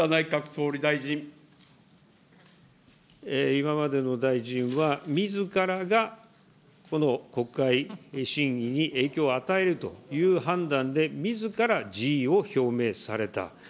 今までの大臣は、みずからがこの国会審議に影響を与えるという判断で、みずから辞意を表明された。